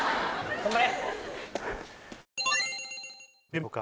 頑張れ！